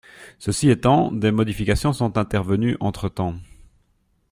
Ceci étant, des modifications sont intervenues entre-temps.